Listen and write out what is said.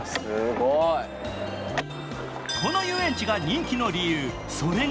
この遊園地が人気の理由、それが